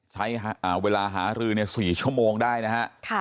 ใช้เวลาหารือ๔ชั่วโมงได้นะฮะ